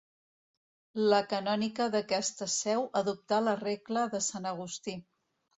La canònica d’aquesta seu adoptà la regla de sant Agustí.